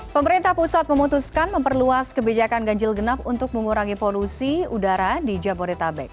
pemerintah pusat memutuskan memperluas kebijakan ganjil genap untuk mengurangi polusi udara di jabodetabek